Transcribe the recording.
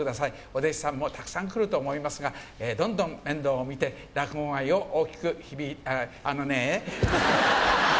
お弟子さんもたくさん来ると思いますが、どんどん面倒を見て、落語界を日々、あのねぇ。